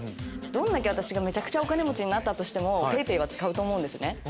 どんだけ私がめちゃくちゃお金持ちになったとしてもＰａｙＰａｙは使うと思うんですね